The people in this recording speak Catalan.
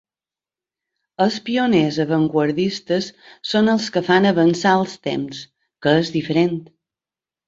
Els pioners avantguardistes són els que fan avançar els temps, que és diferent.